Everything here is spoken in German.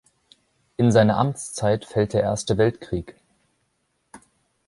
In seine Amtszeit fällt der Erste Weltkrieg.